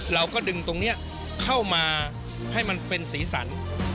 เราก็ดึงตรงนี้เข้ามาให้มันเป็นสีสัน